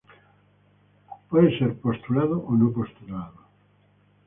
Puede ser postulado o no postulado.